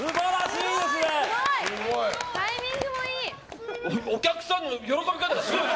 タイミングもいい。